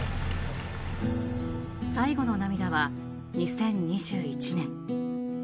最後の涙は２０２１年。